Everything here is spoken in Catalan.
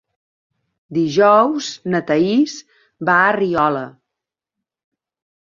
Dijous na Thaís va a Riola.